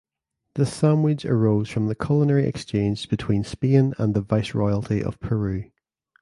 This sandwich arose from the culinary exchange between Spain and the Viceroyalty of Peru.